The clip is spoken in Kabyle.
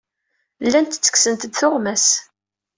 Llant ttekksent-d tuɣmas.